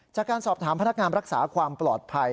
จากการสอบถามพนักงานรักษาความปลอดภัย